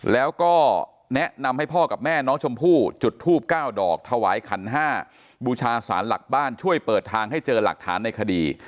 แล้วก็แนะนำให้พ่อกับแม่น้องชมพู่จุดทูบ๙ดอกถวายขัน๕บูชาสารหลักบ้านช่วยเปิดทางให้เจอหลักฐานในคดี